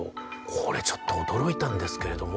これちょっと驚いたんですけれども。